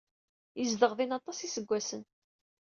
Yezdeɣ din aṭas n yiseggasen.